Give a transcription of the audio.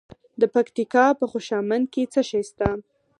د پکتیکا په خوشامند کې څه شی شته؟